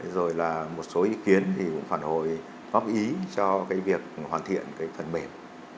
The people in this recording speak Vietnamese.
rồi là một số ý kiến thì cũng phản hồi pháp ý cho việc hoàn thiện phần mềm